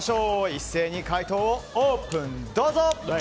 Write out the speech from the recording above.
一斉に解答をオープン。